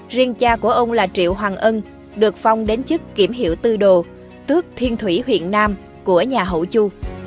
riêng cha của ông là triệu hoàng ân được phong đến chức kiểm hiệu tư đồ tước thiên thủy huyện nam của nhà hậu chu